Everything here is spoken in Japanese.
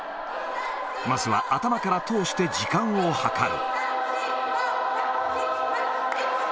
まずは頭から通して時間を計る。